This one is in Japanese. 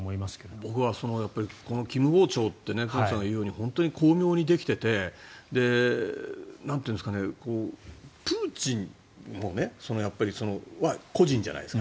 僕は金王朝って辺さんが言うように本当に巧妙にできていてプーチンは個人じゃないですか。